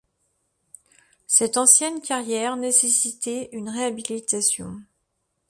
Cette ancienne carrière nécessitait une réhabilitation.